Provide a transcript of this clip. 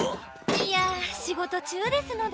いや仕事中ですので。